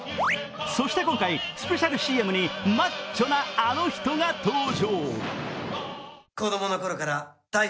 そして今回、スペシャルＣＭにマッチョなあの人が登場。